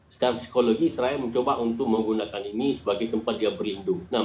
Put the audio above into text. setelah psikologi israel mencoba untuk menggunakan ini sebagai tempat yang berlindung